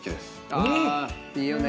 あいいよね。